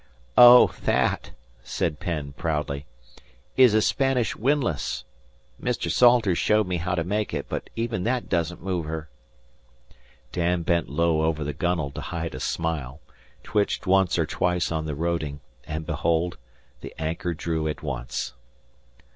"Oh, that," said Penn proudly, "is a Spanish windlass. Mr. Salters showed me how to make it; but even that doesn't move her." Dan bent low over the gunwale to hide a smile, twitched once or twice on the roding, and, behold, the anchor drew at once.